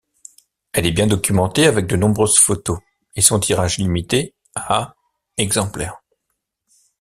Elle est bien documentée avec de nombreuses photos, et son tirage limité à exemplaires.